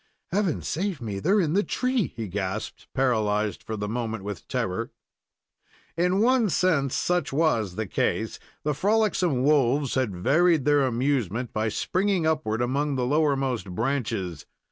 "Heaven save me! they're in the tree!" he gasped, paralyzed for the moment with terror. In one sense, such was the case. The frolicsome wolves had varied their amusement by springing upward among the lowermost branches.